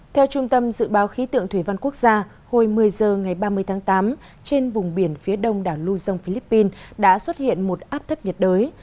theo trung tâm dự báo khí tượng thủy văn quốc gia hồi một mươi h ngày ba mươi tháng tám trên vùng biển phía đông đảo luzon philippines đã xuất hiện một áp thấp nhiệt đới